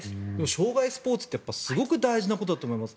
生涯スポーツってすごく大事なことだと思います。